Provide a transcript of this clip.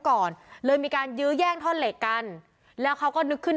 ก่อนเลยมีการยื้อแย่งท่อนเหล็กกันแล้วเขาก็นึกขึ้น